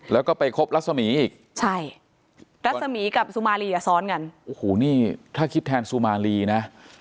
แล้วก็ไปคบรัศมีอีกใช่รัศมีร์กับสุมารีอ่ะซ้อนกันโอ้โหนี่ถ้าคิดแทนสุมารีนะ